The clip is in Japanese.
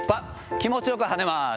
気持ちよく跳ねます。